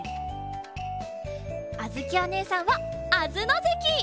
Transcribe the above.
あづきおねえさんはあづのぜき！